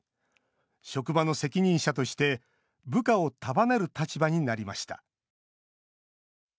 職場の責任者として部下を束ねる立場になりました。